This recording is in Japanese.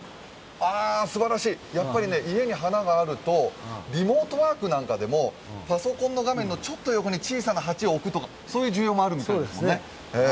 やっぱり家に花があると、リモートワークなんかでも、パソコンの画面のちょっと横に小さな鉢を置くとかそういう需要もあるみたいですもんね。